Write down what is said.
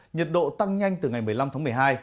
nhiệt độ tăng nhanh từ ngày một mươi năm tháng một mươi hai